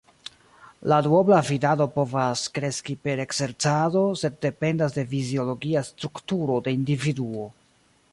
La duobla vidado povas kreski per ekzercado, sed dependas de fiziologia strukturo de individuo.